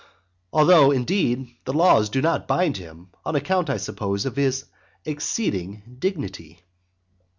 Although, indeed, the laws do not bind him, on account, I suppose, of his exceeding dignity.